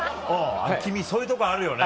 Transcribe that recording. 君そういうとこあるよね。